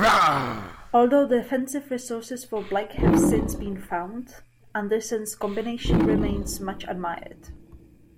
Although defensive resources for Black have since been found, Anderssen's combination remains much admired.